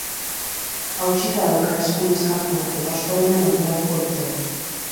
Hautsita dauka eskuin eskapula, eta ostegunean operatuko dute.